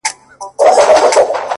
لمر چي د ميني زوال ووهي ويده سمه زه،